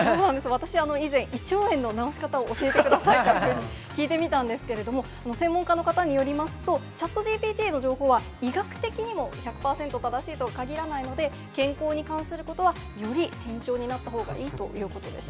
私、以前、胃腸炎の治し方を教えてくださいというふうに聞いてみたんですけれども、専門家の方によりますと、チャットＧＰＴの情報は医学的にも１００％正しいとはかぎらないので、健康に関することはより慎重になったほうがいいということでした。